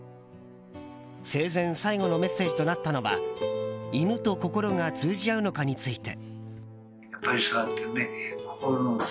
生前、最後のメッセージとなったのは犬と心が通じ合うのかについて。